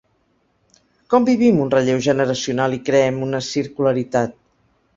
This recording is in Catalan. Com vivim un relleu generacional i creem una circularitat?